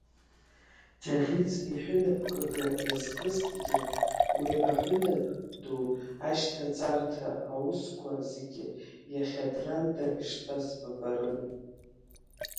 Ҷыӷьыц иҳәынаԥкыга иазкызҭгьы уи аҳәынап, ду, ашьҭаҵарҭа аусқәа зегьы иахьа Дранда иштәаз ббарын.